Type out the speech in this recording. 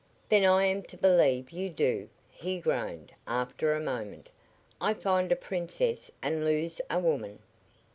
"Then I am to believe you do," he groaned, after a moment. "I find a princes and lose a woman!"